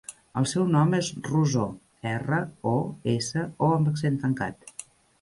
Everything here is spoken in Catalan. El meu nom és Rosó: erra, o, essa, o amb accent tancat.